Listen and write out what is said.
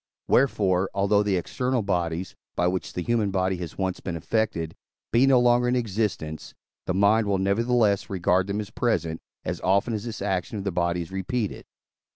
Wherefore, although the external bodies, by which the human body has once been affected, be no longer in existence, the mind will nevertheless regard them as present, as often as this action of the body is repeated.